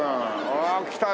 わあ来たね